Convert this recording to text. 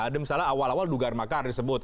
ada misalnya awal awal dugaan makar disebut